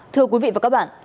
thưa quý vị và các bạn